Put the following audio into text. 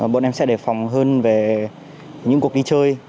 bọn em sẽ đề phòng hơn về những cuộc đi chơi